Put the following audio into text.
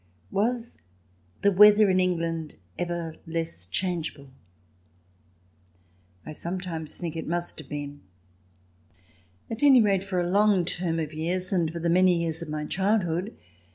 Was the weather in England ever less changeable ? I sometimes think it must have been, at any rate, for a long term of years, and for the many years of my childhood.